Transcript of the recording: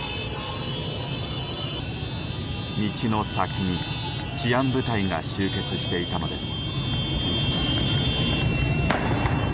道の先に治安部隊が集結していたのです。